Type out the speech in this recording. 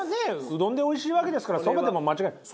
うどんでおいしいわけですからそばでも間違いない。